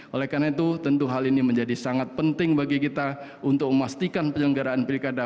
oleh karena itu tentu hal ini menjadi sangat penting bagi kita untuk memastikan penyelenggaraan pilkada